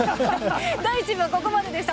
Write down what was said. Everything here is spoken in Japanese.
第１部はここまででした。